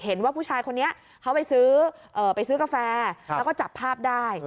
เห็นว่าผู้ชายคนนี้เขาไปซื้อไปซื้อกาแฟแล้วก็จับภาพได้